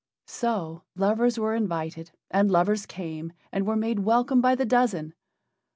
So lovers were invited, and lovers came and were made welcome by the dozen.